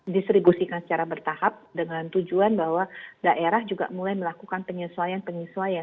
distribusikan secara bertahap dengan tujuan bahwa daerah juga mulai melakukan penyesuaian penyesuaian